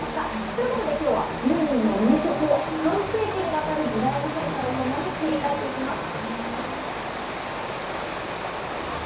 ということで、今日はユーミンの名曲を半世紀に渡る時代の変化とともに振り返っていきます。